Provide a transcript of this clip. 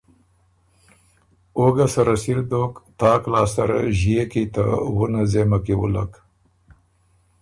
او ګۀ سره سِر دوک تاک لاسته ره ݫيې کی ته وُنه ځېمه کی وُلّک